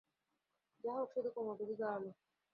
যা হোক, সে তো কোমর বেঁধে দাঁড়ালো।